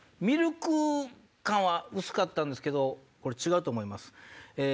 ミルク感は薄かったんですけどこれ違うと思います。